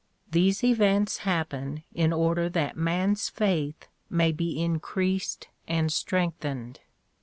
These events happen in order that man's faith may be increased and strengthened.